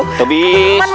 mak sudah ada